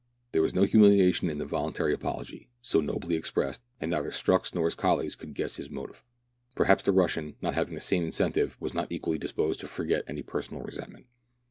There was no humiUation in the vokintary apology, so nobly expressed, and neither Strux nor his colleague? could guess his motive. Perhaps the Russian, not having the same incentive, was not equally disposed to forget any personal resentment.